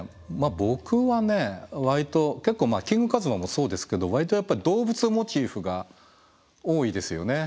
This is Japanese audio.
僕はね割と結構キングカズマもそうですけど割とやっぱり動物モチーフが多いですよね。